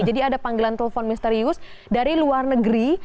jadi ada panggilan telpon misterius dari luar negeri